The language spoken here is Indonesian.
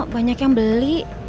banyak yang beli